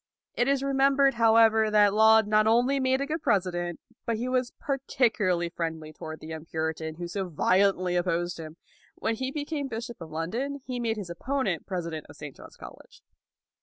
It is remembered, however, that Laud not only made a good president, but that he was particularly friendly toward the young Puritan who so violently opposed him. When he became bishop of London, he made his opponent president of St. John's College.